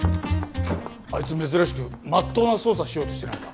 あいつ珍しく真っ当な捜査しようとしてないか？